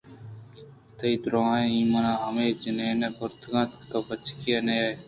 تئی دُرٛاہیں ایمان ہماجنین ءَ برتگ اَت تو بچکے ءِ ناں